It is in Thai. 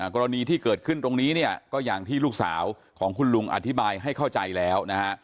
กรณีที่เกิดขึ้นตรงนี้เนี่ยก็อย่างที่ลูกสาวของคุณลุงอธิบายให้เข้าใจแล้วนะฮะ